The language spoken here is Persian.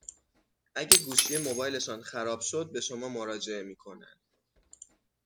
اگه گوشی موبایلشان خراب شد به شما مراجعه می کنند،